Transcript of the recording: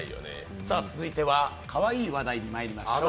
さあ、続いてはかわいい話題にまいりましょう。